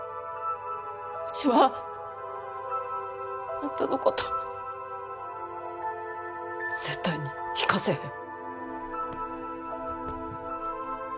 ウチはあんたのこと絶対に行かせへん。